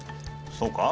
そうか？